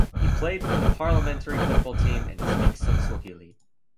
He played for the parliamentary football team, and he speaks some Swahili.